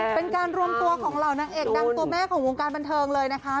เป็นการรวมตัวของเหล่านางเอกดังตัวแม่ของวงการบันเทิงเลยนะคะ